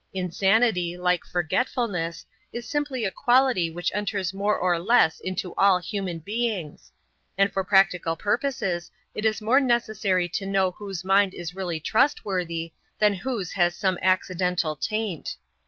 Insanity, like forgetfulness, is simply a quality which enters more or less into all human beings; and for practical purposes it is more necessary to know whose mind is really trustworthy than whose has some accidental taint.